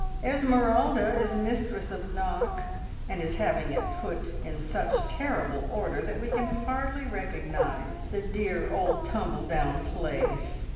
Esmeralda is mistress of Knock, and is having it put in such terrible order that we can hardly recognise the dear old tumbledown place.